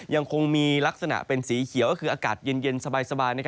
ยังคงมีลักษณะเป็นสีเขียวก็คืออากาศเย็นสบาย